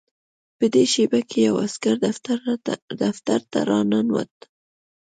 په دې شېبه کې یو عسکر دفتر ته راننوت